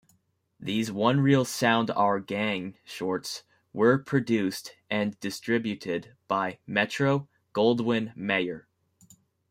These one-reel sound "Our Gang" shorts were produced and distributed by Metro-Goldwyn-Mayer.